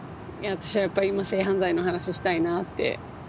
私はやっぱ今性犯罪の話したいなって。